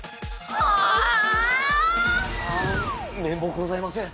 あ面目ございません。